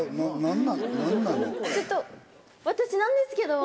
ちょっと私なんですけど。